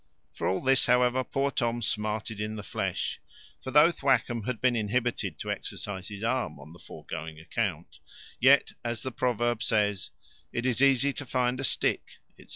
For all this, however, poor Tom smarted in the flesh; for though Thwackum had been inhibited to exercise his arm on the foregoing account, yet, as the proverb says, It is easy to find a stick, &c.